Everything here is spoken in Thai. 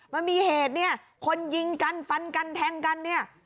มันมีเหตุเนี่ยคนยิงกันฟันกันแทงกันเนี่ย